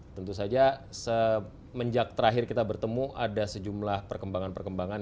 tentu saja semenjak terakhir kita bertemu ada sejumlah perkembangan perkembangan